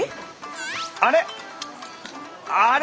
あれ？